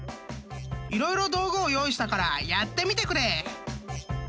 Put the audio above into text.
［色々道具を用意したからやってみてくれ］